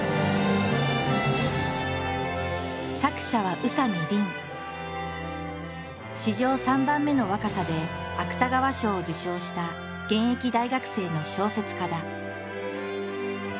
作者は史上３番目の若さで芥川賞を受賞した現役大学生の小説家だ。